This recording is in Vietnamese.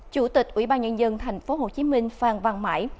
chủ tịch ủy ban nhân dân thành phố hồ chí minh phan văn mãi